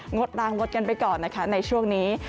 ดรางงดกันไปก่อนนะคะในช่วงนี้